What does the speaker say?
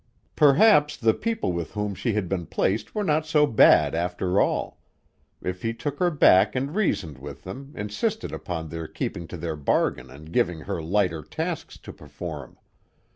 Perhaps the people with whom she had been placed were not so bad, after all; if he took her back and reasoned with them, insisted upon their keeping to their bargain, and giving her lighter tasks to perform.